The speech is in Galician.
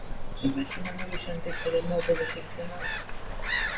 Imaxinan a Luís Enrique de novo de seleccionador?